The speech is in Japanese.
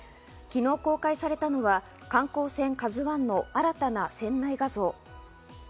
昨日公開されたのは観光船「ＫＡＺＵ１」の新たな船内画像。